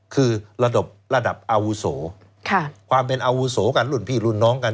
คือระดับระดับอาวุโสความเป็นอาวุโสกันรุ่นพี่รุ่นน้องกัน